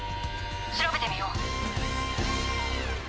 調べてみよう。